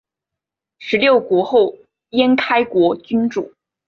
十六国后燕开国君主。